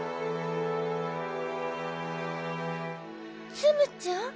ツムちゃん？